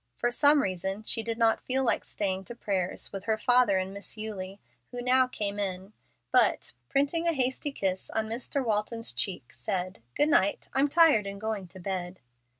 For some reason she did not feel like staying to prayers with her father and Miss Eulie, who now came in, but, printing a hasty kiss on Mr. Walton's cheek, said, "Good night. I'm tired, and going to bed."